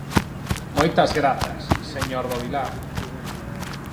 Moitas grazas, señor do Vilar.